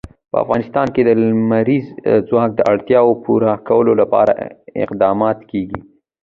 په افغانستان کې د لمریز ځواک د اړتیاوو پوره کولو لپاره اقدامات کېږي.